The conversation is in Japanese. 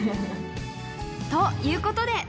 ということで。